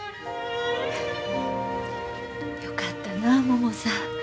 よかったなももさん。